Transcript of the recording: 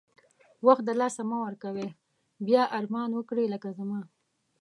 وخت د لاسه مه ورکوی بیا ارمان وکړی لکه زما